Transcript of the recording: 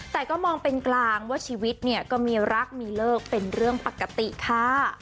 แต่ก็มองเป็นกลางว่าชีวิตเนี่ยก็มีรักมีเลิกเป็นเรื่องปกติค่ะ